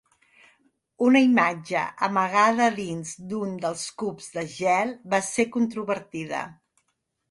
Una imatge amagada dins d'un dels cubs de gel va ser controvertida.